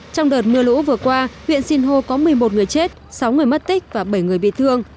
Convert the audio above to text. trong đợt mưa lũ vừa qua huyện sinh hô có một mươi một người chết sáu người mất tích và bảy người bị thương